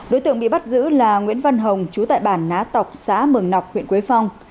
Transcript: đối tượng bị bắt giữ là nguyễn văn hồng chú tại bản ná cọc xã mường nọc huyện quế phong